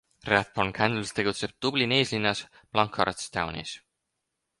Rathborne Candles tegutseb Dublini eeslinnas Blanchardstownis.